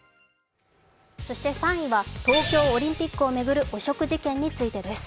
そして３位は東京オリンピックを巡る汚職事件についてです。